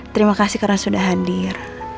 terima kasih karena sudah hadir